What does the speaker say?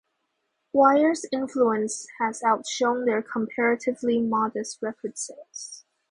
Wire's influence has outshone their comparatively modest record sales.